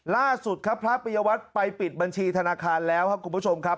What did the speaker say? ล่าสุดครับพระปิยวัตรไปปิดบัญชีธนาคารแล้วครับคุณผู้ชมครับ